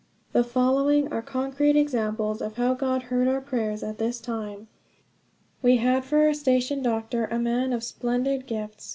The following are concrete examples of how God heard our prayers at this time. We had for our station doctor a man of splendid gifts.